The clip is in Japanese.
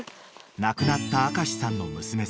［亡くなった明さんの娘さん